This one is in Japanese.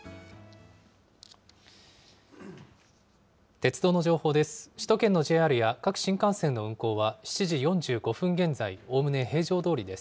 鉄道の情報です。